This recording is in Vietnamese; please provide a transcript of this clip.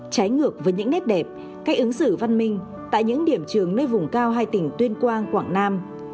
trái ngược với những nét đẹp cách ứng xử văn minh tại những điểm trường nơi vùng cao hai tỉnh tuyên quang quảng nam